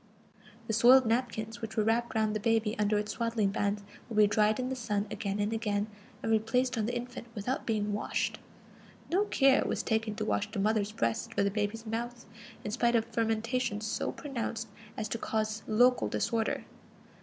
The soiled napkins which were wrapped round the baby under its swaddling bands would be dried in the sun again and again, and replaced on the infant without being washed. No care was taken to wash the mother's breast or the baby's mouth, in spite of fermentation so pronounced as to cause local disorder.